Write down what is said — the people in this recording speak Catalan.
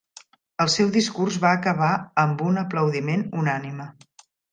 El seu discurs va acabar amb un aplaudiment unànime.